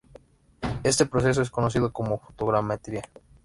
Este proceso es conocido como fotogrametría.